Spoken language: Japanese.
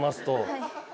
はい。